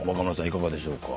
いかがでしょうか？